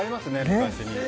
昔。